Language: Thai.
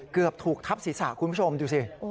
เกือบถูกทับศีรษะคุณผู้ชมดูสิ